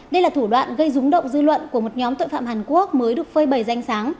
đây là thủ đoạn gây rúng động dư luận của một nhóm tội phạm hàn quốc mới được phơi bầy danh sáng